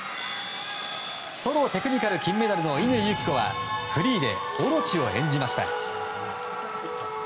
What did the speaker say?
ソロテクニカル金メダルの乾友紀子はフリーでオロチを演じました。